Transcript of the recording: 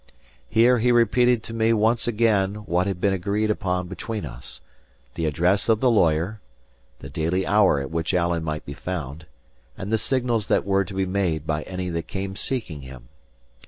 Here he repeated to me once again what had been agreed upon between us: the address of the lawyer, the daily hour at which Alan might be found, and the signals that were to be made by any that came seeking him.